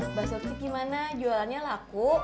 mbak surti gimana jualannya laku